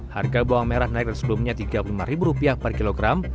harga bawang merah naik dari sebelumnya rp tiga puluh lima per kilogram